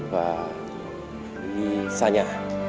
và đi xa nhà